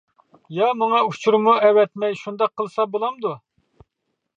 يا ماڭا ئۇچۇرمۇ ئەۋەتمەي شۇنداق قىلسا بۇلامدۇ.